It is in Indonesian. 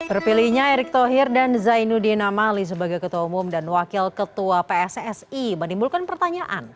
terpilihnya erick thohir dan zainuddin amali sebagai ketua umum dan wakil ketua pssi menimbulkan pertanyaan